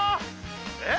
えっ？